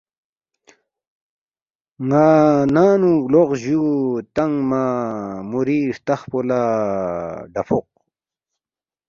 نا ننگنو لوق جو تنگمہ موری ہرتخ پو لا ڈافوق